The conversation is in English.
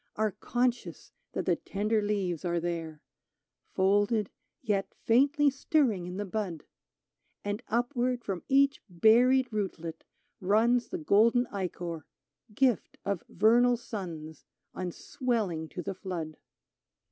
Are conscious that the tender leaves are there — Folded, yet faintly stirring in the bud ; And upward from each buried rootlet runs The golden ichor, gift of vernal suns. On swelling to the flood.